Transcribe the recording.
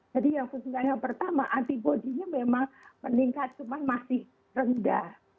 jadi yang pertama antibody nya memang meningkat cuma masih rendah